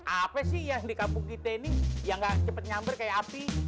apa sih yang di kampung kita ini yang nggak cepet nyambar kayak api